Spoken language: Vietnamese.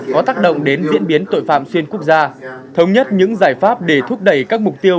có tác động đến diễn biến tội phạm xuyên quốc gia thống nhất những giải pháp để thúc đẩy các mục tiêu